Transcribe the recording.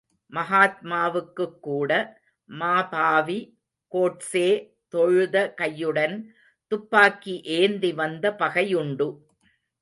மகாத்மாவுக்குக் கூட, மாபாவி, கோட்சே தொழுத கையுடன் துப்பாக்கி ஏந்தி வந்த பகையுண்டு.